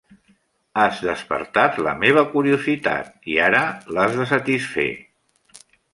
Has despertat la meva curiositat i ara l'has de satisfer.